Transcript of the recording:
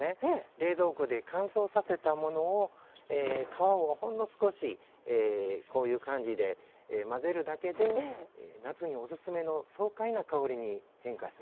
冷蔵庫で乾燥させたものを皮をほんの少し、こういう感じで混ぜるだけで、夏におすすめの爽快な香りに変化します。